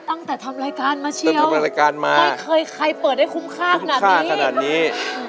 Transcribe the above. ตั้งแต่ทำรายการมาเชียวไม่เคยใครเปิดได้คุ้มค่าขนาดนี้